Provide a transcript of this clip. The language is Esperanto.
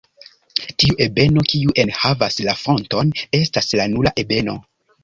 Tiu ebeno kiu enhavas la fonton estas la "nula" ebeno.